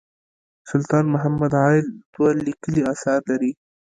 سلطان محمد عايل دوه لیکلي اثار لري.